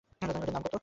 এটার দাম কত?